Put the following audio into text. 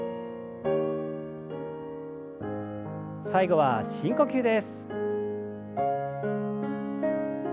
最後は深呼吸です。